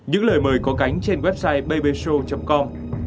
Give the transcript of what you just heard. những lời mời có cánh trên website babyshow com